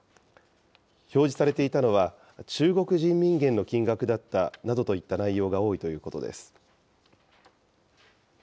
表示されていたのは、中国人民元の金額だったなどといった内容が多いということです。